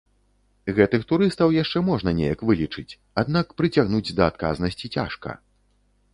Гэтых турыстаў яшчэ можна неяк вылічыць, аднак прыцягнуць да адказнасці цяжка.